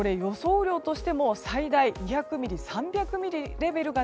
雨量としても最大２００ミリ３００ミリレベルが